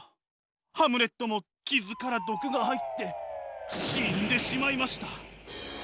ハムレットも傷から毒が入って死んでしまいました。